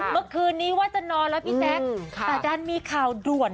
เมื่อคืนนี้ว่าจะนอนแล้วพี่แจ๊คแต่ดันมีข่าวด่วน